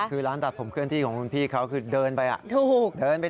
คือร้านตัดผมเคลื่อนที่ของพี่เขาคือเดินไป